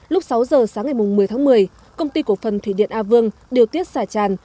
lúc sáu giờ sáng ngày một mươi tháng một mươi công ty cổ phần thủy điện a vương điều tiết xả tràn